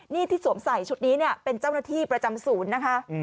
นี่ที่สวมใส่ชุดนี้เนี่ยเป็นเจ้าหน้าที่ประจำศูนย์นะคะ